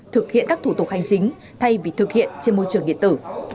thực hiện các thủ tục hành chính thay vì thực hiện trên môi trường điện tử